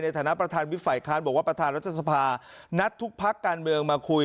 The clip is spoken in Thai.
ฐานะประธานวิบฝ่ายค้านบอกว่าประธานรัฐสภานัดทุกพักการเมืองมาคุย